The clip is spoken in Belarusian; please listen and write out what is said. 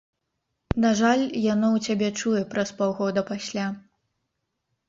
На жаль, яно ў цябе чуе праз паўгода пасля.